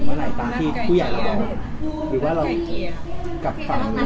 อ่าฝ่ายฝ่ายทางนั้นหวัดทางใต้อยากให้จุบอะไรยังไง